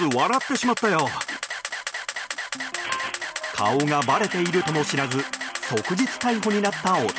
顔がばれているとも知らず即日逮捕になった男。